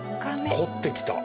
凝ってきた。